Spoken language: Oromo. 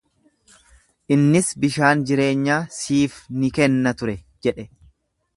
Innis bishaan jireenyaa siif ni kenna ture jedhe.